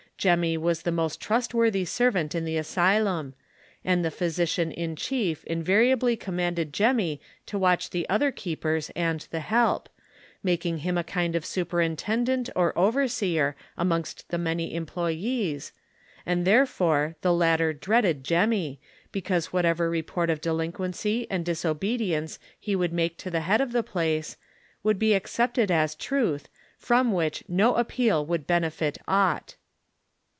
Jemmy was the most trustworthy servant in the asylum, and the physician in chief invariably commanded Jemmy to watch the other keepers and the help ; making him a kind of superintendent or overseer amongst the many employes, and therefoi'e the latter dreaded Jemmy, because whatever report of delinquency and disobedience he would make to the head of the place would be accepted as truth, from which no appeal would benefit aught.